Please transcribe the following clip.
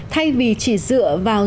thay vì chỉ dựa vào